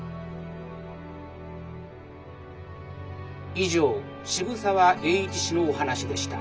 「以上渋沢栄一氏のお話でした。